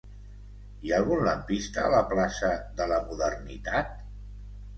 Hi ha algun lampista a la plaça de la Modernitat?